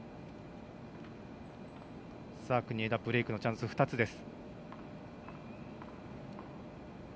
国枝、ブレークのチャンス２つです。